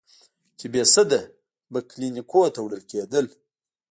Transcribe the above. چې بېسده به کلينيکو ته وړل کېدل.